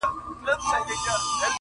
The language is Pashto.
• نن دي سترګي سمي دمي میکدې دي ..